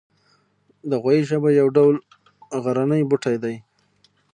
د غویي ژبه یو ډول غرنی بوټی دی